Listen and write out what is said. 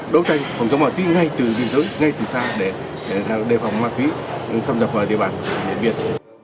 đối tranh cùng dòng ma túy ngay từ biên giới ngay từ xa để đề phòng ma túy xâm dập vào địa bàn điện biên